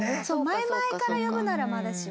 前々から呼ぶならまだしも。